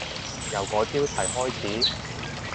由改標題開始？